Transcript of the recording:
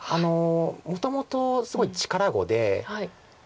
もともとすごい力碁で。